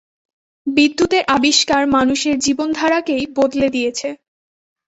বিদ্যুতের আবিষ্কার মানুষের জীবনধারাকেই বদলে দিয়েছে।